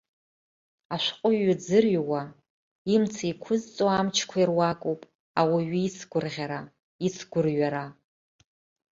Ашәҟәыҩҩы дзырҩуа, имца еиқәызҵо амчқәа ируакуп ауаҩы ицгәырӷьара, ицгәырҩара.